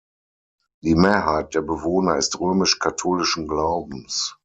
Die Mehrheit der Bewohner ist römisch-katholischen Glaubens.